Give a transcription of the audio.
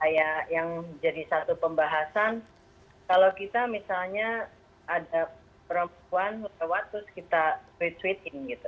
yang jadi satu pembahasan kalau kita misalnya ada perempuan terus kita retweetin gitu